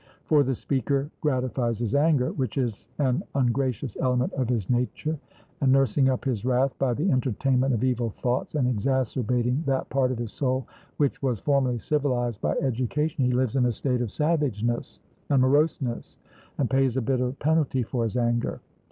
For the speaker gratifies his anger, which is an ungracious element of his nature; and nursing up his wrath by the entertainment of evil thoughts, and exacerbating that part of his soul which was formerly civilised by education, he lives in a state of savageness and moroseness, and pays a bitter penalty for his anger.